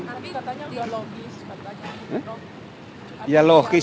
tapi katanya sudah logis